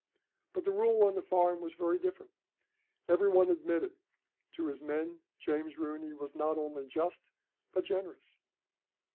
But the rule on the farm was very different, every one admitted; to his men James Rooney was not only just but generous.